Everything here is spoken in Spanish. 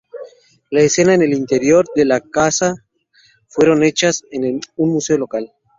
Las escena en el interior de la casa fueron hechas en un museo local.